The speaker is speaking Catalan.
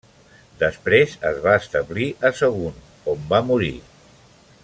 Després es va establir a Sagunt, on va morir.